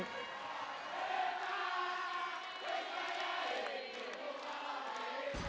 kita bisa jadi jiduh sama perempuan